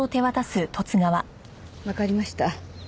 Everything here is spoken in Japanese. わかりました。